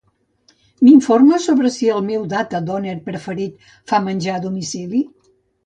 M'informes sobre si el meu Data Doner preferit fa menjar a domicili?